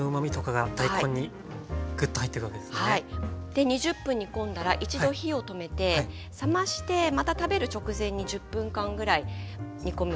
で２０分煮込んだら一度火を止めて冷ましてまた食べる直前に１０分間ぐらい煮込むと更に味がしみておいしくなります。